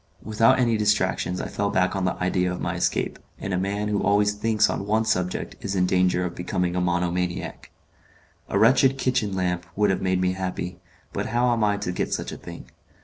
Without any distractions I fell back on the idea of my escape, and a man who always thinks on one subject is in danger of becoming a monomaniac. A wretched kitchen lamp would have made me happy, but how am I to get such a thing?